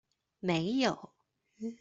沒有